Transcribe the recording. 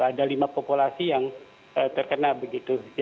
ada lima populasi yang terkena begitu